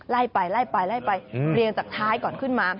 ไล่ไปเรี่ยงจากท้ายก่อนขึ้นมา